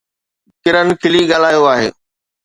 ڪرن کلي ڳالهايو آهي